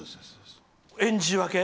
演じ分け？